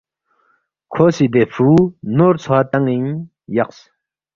کھو سی دے فرُو نور ژھوا تان٘ین یقس